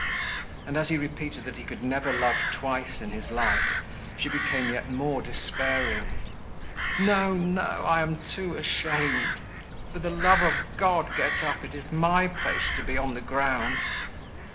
And as he repeated that he could never love twice in his life, she became yet more despairing. "No, no, I am too ashamed. For the love of God get up. It is my place to be on the ground."